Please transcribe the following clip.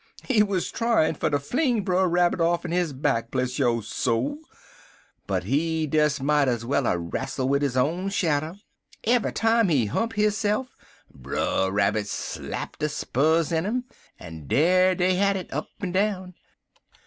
"He wuz tryin' fer ter fling Brer Rabbit off'n his back, bless yo' soul! But he des might ez well er rastle wid his own shadder. Every time he hump hisse'f Brer Rabbit slap de spurrers in 'im, en dar dey had it, up en down.